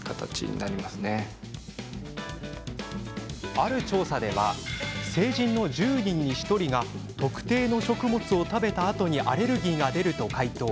ある調査では成人の１０人に１人が特定の食物を食べたあとにアレルギーが出ると回答。